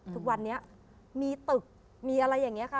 ทุกวันนี้มีตึกมีอะไรอย่างนี้ค่ะ